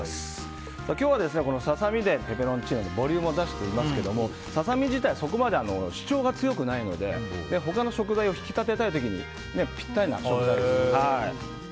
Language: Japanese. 今日はササミでペペロンチーノのボリュームを出していますけどもササミ自体はそこまで主張が強くないので他の食材を引き立てたい時にピッタリな食材です。